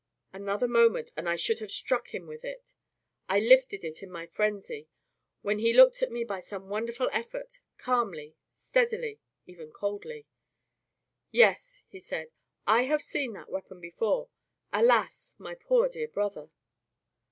Another moment, and I should have struck him with it. I lifted it in my frenzy; when he looked at me by some wonderful effort, calmly, steadily, even coldly. "Yes," he said, "I have seen that weapon before. Alas my poor dear brother!"